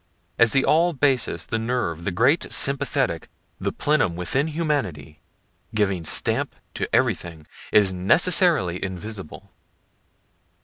(As the all basis, the nerve, the great sympathetic, the plenum within humanity, giving stamp to everything, is necessarily invisible.)